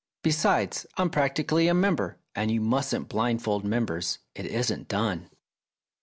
Besides, I'm practically a member, and you mustn't blindfold members ; it isn't done."